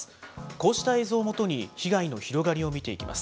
こうした映像をもとに、被害の広がりを見ていきます。